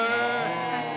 確かに。